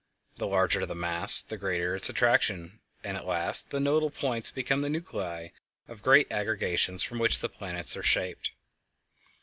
The larger the mass the greater its attraction, and at last the nodal points become the nuclei of great aggregations from which planets are shaped.